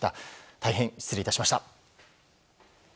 大変、失礼致しました。